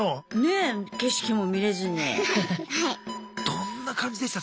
どんな感じでした？